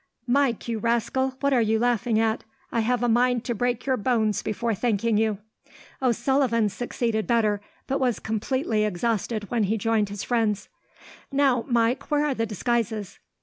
"Mike, you rascal, what are you laughing at? I have a mind to break your bones before thanking you." O'Sullivan succeeded better, but was completely exhausted when he joined his friends. "Now, Mike, where are the disguises?"